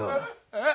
えっ